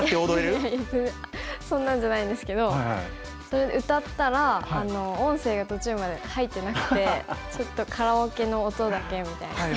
全然そんなんじゃないんですけど。それで歌ったら音声が途中まで入ってなくてちょっとカラオケの音だけみたいに。